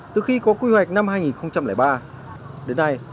từ khi có quy hoạch năm hai nghìn ba đến nay